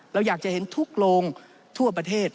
เราอยากจะเห็นทุกโรงทั่วประเทศ